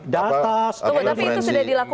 data atau referensi